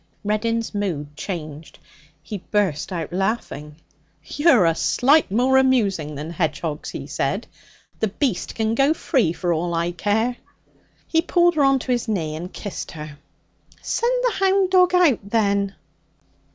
Reddin's mood changed. He burst out laughing. 'You're a sight more amusing than hedgehogs,' he said; 'the beast can go free, for all I care.' He pulled her on to his knee and kissed her. 'Send the hound dog out, then.'